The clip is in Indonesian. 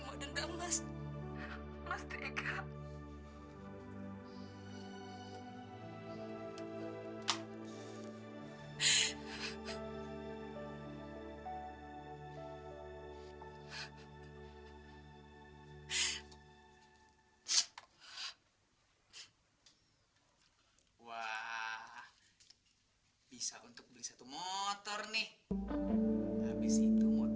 yaudah besok besok gue ganti puas loh